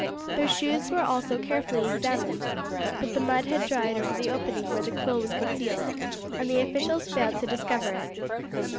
Their shoes were also carefully examined; but the mud had dried over the opening where the quill was concealed, and the officials failed to discover it.